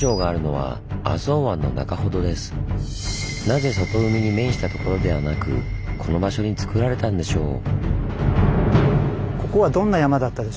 なぜ外海に面したところではなくこの場所につくられたんでしょう？